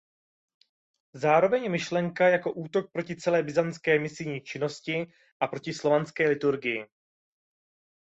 Zároveň je myšlena jako útok proti celé byzantské misijní činnosti a proti slovanské liturgii.